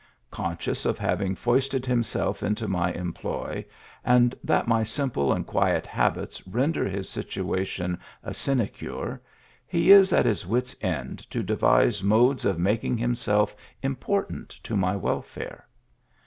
Conscious of having foisted himself into my employ, and that my simple and quiet habits render his situation a sinecure, he is at his wit s end to de vise modes of making himself important to my wel fare.